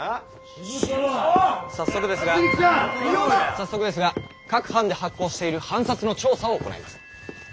早速ですが各藩で発行している藩札の調査を行います。